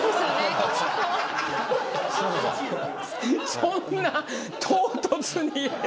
そんな唐突に。